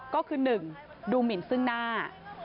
ก็คือ๑ดูหมินซึ่งหน้า